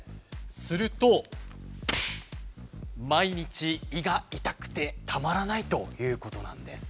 すると毎日胃が痛くてたまらないということなんです。